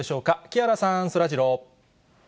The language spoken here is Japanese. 木原さん、そらジロー。